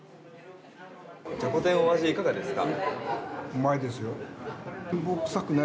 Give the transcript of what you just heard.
じゃこてんお味いかがですか。